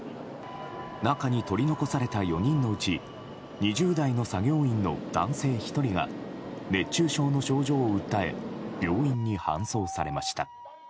中に取り残された４人のうち２０代の作業員の男性１人が熱中症の症状を訴え病院に搬送されました。